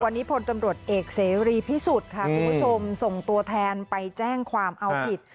วันนี้พลตำรวจเอกเสรีพิสุทธิ์ค่ะคุณผู้ชมส่งตัวแทนไปแจ้งความเอาผิด